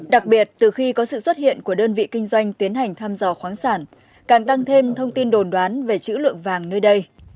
đặc biệt từ khi có sự xuất hiện của đơn vị kinh doanh tiến hành thăm dò khoáng sản càng tăng thêm thông tin đồn đoán về chữ lượng vàng nơi đây